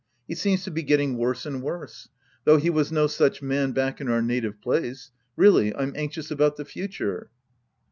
He seems to be get ting worse and worse. Though he was no such man back in our native place. Really I'm anxious about the future.